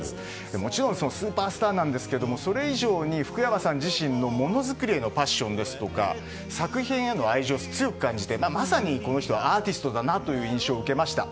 もちろんスーパースターなんですがそれ以上に福山さん自身の物作りへのパッションですとか作品への愛情を強く感じてまさにこの人はアーティストだなという印象を受けました。